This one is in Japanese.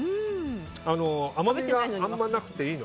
甘みがあまりなくていいの。